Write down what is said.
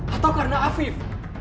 atau karena afif